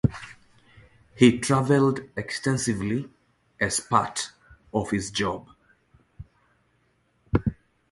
He travelled extensively as part of his job.